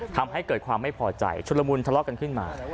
ทำให้เกิดความไม่พอใจชุดละมุนทะเลาะกันขึ้นมา